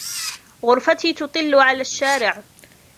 غُرْفَتِي تُطِلْ على الشارِعْ.